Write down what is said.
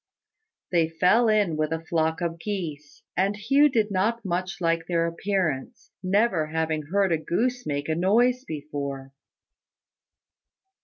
They fell in with a flock of geese, and Hugh did not much like their appearance, never having heard a goose make a noise before.